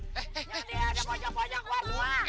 nyam nya nyam pojok pojok keluar